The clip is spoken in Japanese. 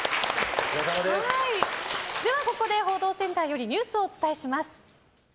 ここで報道センターよりニュースをお伝えします。